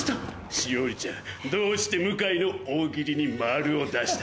栞里ちゃんどうして向井の大喜利にマルを出した。